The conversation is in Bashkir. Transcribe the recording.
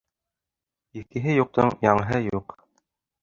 Иҫкеһе юҡтың яңыһы юҡ.